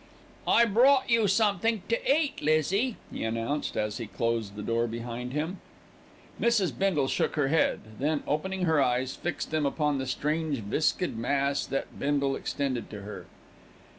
"I brought you somethink to eat, Lizzie," he announced, as he closed the door behind him. Mrs. Bindle shook her head, then opening her eyes, fixed them upon the strange viscid mass that Bindle extended to her.